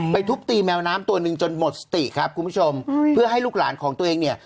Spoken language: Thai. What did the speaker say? ทุบตีแมวน้ำตัวหนึ่งจนหมดสติครับคุณผู้ชมเพื่อให้ลูกหลานของตัวเองเนี่ย